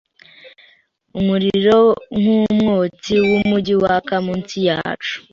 umuriro nkumwotsi wumujyi wakamunsi yacu